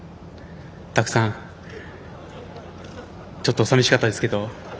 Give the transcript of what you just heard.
たくさんちょっと寂しかったですけど。